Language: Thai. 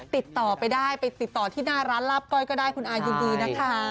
ติดต่อไปได้ไปติดต่อที่หน้าร้านลาบก้อยก็ได้คุณอายินดีนะคะ